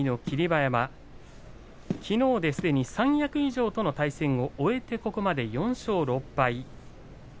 馬山きのうですでに三役以上との対戦を終えてここまで４勝６敗です。